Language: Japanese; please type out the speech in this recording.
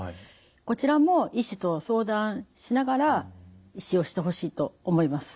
こちらも医師と相談しながら使用してほしいと思います。